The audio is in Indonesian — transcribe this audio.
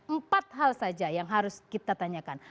empat hal saja yang harus kita tanyakan